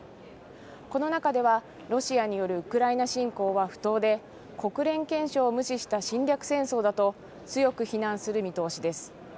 この中ではロシアによるウクライナ侵攻は不当で国連憲章を無視した侵略戦争だと強く非難する見通しです。